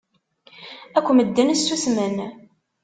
Akk medden ssusmen.